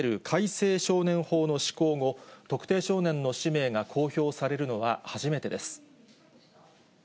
改正少年法の施行後、特定少年の氏名が公表されるのは初めてです。